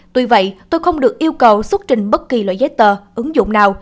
tuy vậy tôi không được yêu cầu xuất trình bất kỳ loại giấy tờ ứng dụng nào